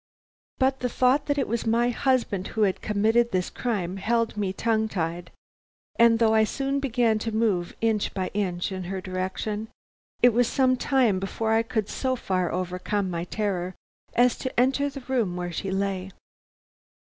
But the thought that it was my husband who had committed this crime held me tongue tied, and though I soon began to move inch by inch in her direction, it was some time before I could so far overcome my terror as to enter the room where she lay.